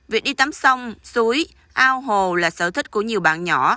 việc đi tắm sông suối ao hồ là sở thích của nhiều bạn nhỏ